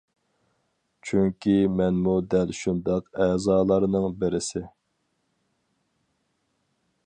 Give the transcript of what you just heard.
چۈنكى مەنمۇ دەل شۇنداق ئەزالارنىڭ بىرسى.